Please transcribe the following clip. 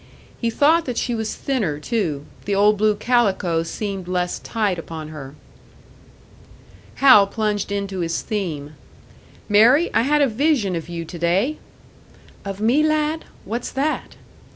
He thought that she was thinner too; the old blue calico seemed less tight upon her. Hal plunged into his theme. "Mary, I had a vision of you to day!" "Of me, lad? What's that?"